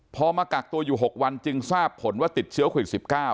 พอมากักตัวอยู่๖วันจึงทราบผลว่าติดเชื้อโควิด๑๙